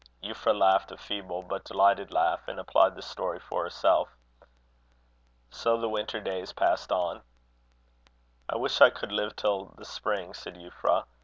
Euphra laughed a feeble but delighted laugh, and applied the story for herself. So the winter days passed on. "I wish I could live till the spring," said Euphra.